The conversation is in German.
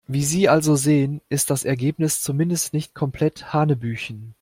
Wie Sie also sehen, ist das Ergebnis zumindest nicht komplett hanebüchen.